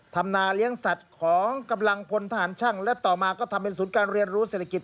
ทำนาเลี้ยงสัตว์ของกำลังพลทหารช่างและต่อมาก็ทำเป็นศูนย์การเรียนรู้เศรษฐกิจ